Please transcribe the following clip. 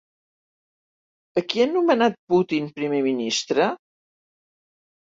A qui ha anomenat Putin primer ministre?